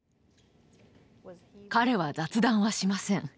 彼は雑談はしません。